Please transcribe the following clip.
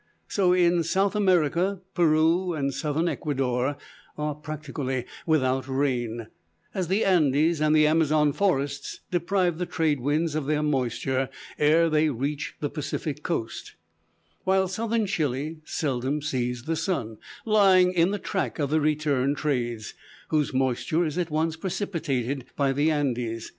So in South America, Peru and southern Ecuador are practically without rain, as the Andes and the Amazon forests deprive the trade winds of their moisture ere they reach the Pacific coast; while southern Chili seldom sees the sun; lying in the track of the return trades, whose moisture is at once precipitated by the Andes.